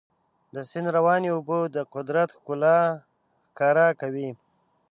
د سیند روانې اوبه د قدرت ښکلا ښکاره کوي.